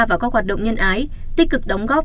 vào các hoạt động nhân ái tích cực đóng góp